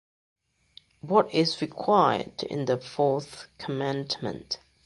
What is required in the fourth commandment?